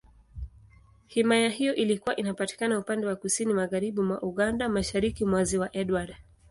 Himaya hiyo ilikuwa inapatikana upande wa Kusini Magharibi mwa Uganda, Mashariki mwa Ziwa Edward.